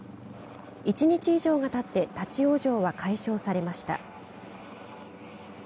１日以上がたって立往生は解消されました。